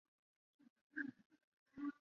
缺瓣重楼是黑药花科重楼属的变种。